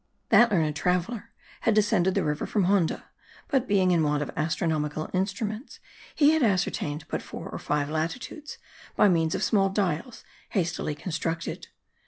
That learned traveller had descended the river from Honda; but, being in want of astronomical instruments, he had ascertained but four or five latitudes, by means of small dials hastily constructed.